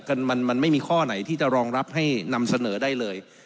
มันมันไม่มีข้อไหนที่จะรองรับให้นำเสนอได้เลย